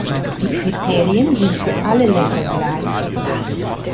Die Kriterien sind für alle Länder gleich.